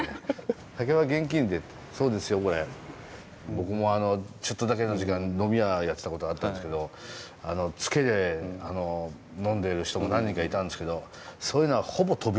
僕もあのちょっとだけの時間呑み屋やってた事があったんですけどつけで呑んでる人も何人かいたんですけどそういうのはほぼ飛びますね。